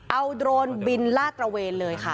เอาโดรนบินลาดตระเวนเลยค่ะ